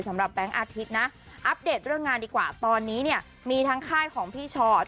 แบงค์อาทิตย์นะอัปเดตเรื่องงานดีกว่าตอนนี้เนี่ยมีทั้งค่ายของพี่ชอต